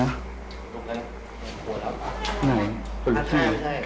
อะไร